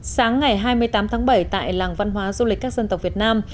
sáng ngày hai mươi tám tháng bảy tại làng văn hóa du lịch các dân tộc việt nam